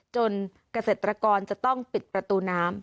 เกษตรกรจะต้องปิดประตูน้ำ